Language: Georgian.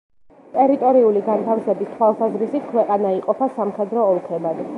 ტერიტორიული განთავსების თვალსაზრისით, ქვეყანა იყოფა სამხედრო ოლქებად.